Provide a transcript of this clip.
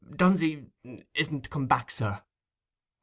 "Dunsey isn't come back, sir."